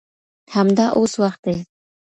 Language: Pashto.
همدا اوس وخت دی.